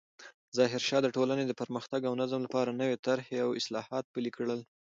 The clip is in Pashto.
ظاهرشاه د ټولنې د پرمختګ او نظم لپاره نوې طرحې او اصلاحات پلې کړل.